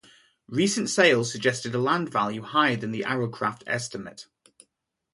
Recent sales suggested a land value higher than the Arrowcroft estimate.